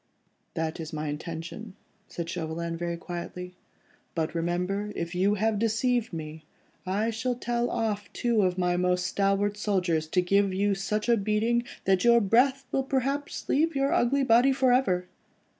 "That is my intention," said Chauvelin very quietly, "but remember, if you have deceived me, I shall tell off two of my most stalwart soldiers to give you such a beating, that your breath will perhaps leave your ugly body for ever.